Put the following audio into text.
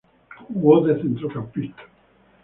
Jugó de centrocampista.